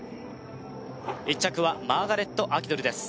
１着はマーガレット・アキドルです